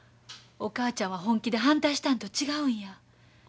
お母ちゃんは本気で反対したんと違うんや。